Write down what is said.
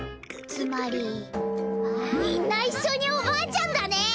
つまりみんな一緒におばあちゃんだね。